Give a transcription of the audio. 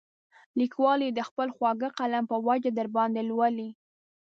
لیکوال یې د خپل خواږه قلم په وجه درباندې لولي.